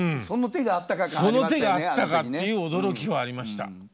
その手があったかっていう驚きはありました。